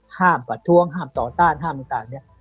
ประท้วงห้ามต่อต้านห้ามต่างเนี่ย